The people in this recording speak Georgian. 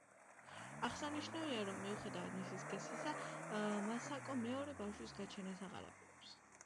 აღსანიშნავია, რომ მიუხედავად მისი სქესისა, მასაკო მეორე ბავშვის გაჩენას აღარ აპირებს.